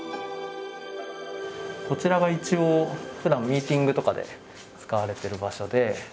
こちらが一応ふだんミーティングとかで使われてる場所で。